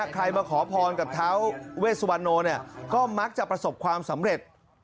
ใครมาขอพรกับท้าเวสวันโนก็มักจะประสบความสำเร็จ